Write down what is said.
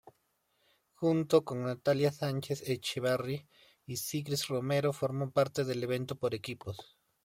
Junto con Natalia Sánchez Echeverri y Sigrid Romero formó parte del evento por equipos.